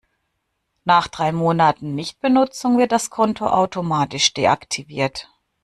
Nach drei Monaten Nichtbenutzung wird das Konto automatisch deaktiviert.